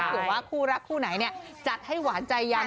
เผื่อว่าคู่รักคู่ไหนจัดให้หวานใจยัน